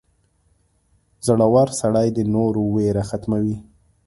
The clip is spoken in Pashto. • زړور سړی د نورو ویره ختموي.